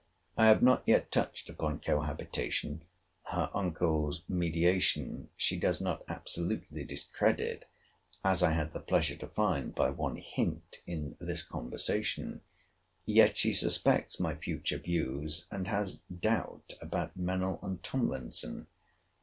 I have not yet touched upon cohabitation—her uncle's mediation she does not absolutely discredit, as I had the pleasure to find by one hint in this conversation—yet she suspects my future views, and has doubt about Mennell and Tomlinson.